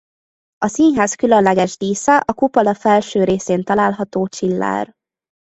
A színház különleges dísze a kupola felső részén található csillár.